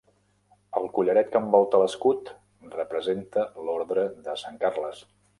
El collaret que envolta l'escut representa l'Ordre de Sant Carles.